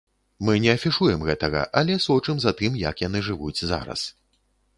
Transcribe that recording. Мы не афішуем гэтага, але сочым за тым, як яны жывуць зараз.